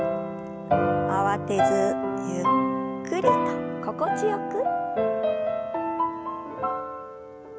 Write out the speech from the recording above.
慌てずゆっくりと心地よく。